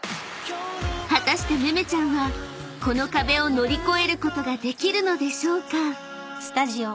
［果たしてめめちゃんはこの壁を乗り越えることができるのでしょうか？］